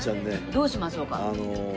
どうしましょうか？